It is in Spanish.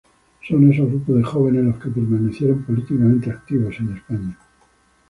Son esos grupos de jóvenes los que permanecieron políticamente activos en España.